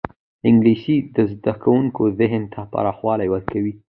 انګلیسي د زدهکوونکو ذهن ته پراخوالی ورکوي